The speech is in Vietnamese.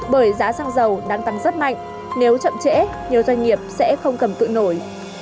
bởi giá xăng dầu đang tăng rất mạnh nếu chậm trễ nhiều doanh nghiệp sẽ không cầm tự nổi